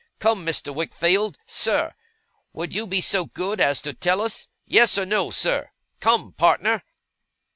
Come, Mr. Wickfield, sir! Would you be so good as tell us? Yes or no, sir? Come, partner!